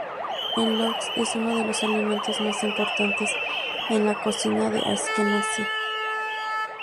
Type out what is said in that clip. El Lox es uno de los alimentos más importantes en la cocina askenazí.